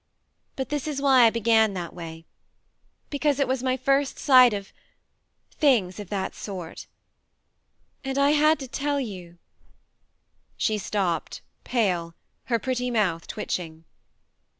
... But this is why I began that way ; because it was my first sight of things of that sort. And I had to tell you " She stopped, pale, her pretty mouth twitching.